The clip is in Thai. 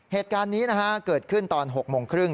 เหตุการณ์นี้เกิดขึ้นตอน๖โมงครึ่ง